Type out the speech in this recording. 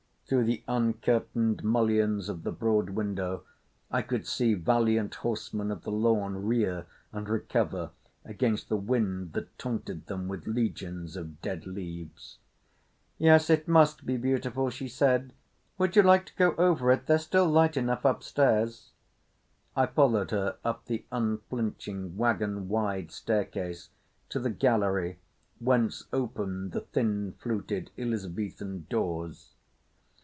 Through the uncurtained mullions of the broad window I could see valiant horsemen of the lawn rear and recover against the wind that taunted them with legions of dead leaves. "Yes, it must be beautiful," she said. "Would you like to go over it? There's still light enough upstairs." I followed her up the unflinching, wagon wide staircase to the gallery whence opened the thin fluted Elizabethan doors.